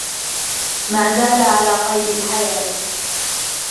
ما زال على قيد الحياة.